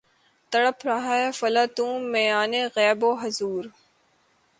تڑپ رہا ہے فلاطوں میان غیب و حضور